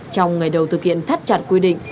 trong ngày đầu thực hiện thắt chặt quy định